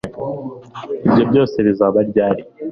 ibyo byose bizaba ryari